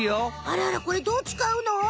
あらあらこれどうつかうの？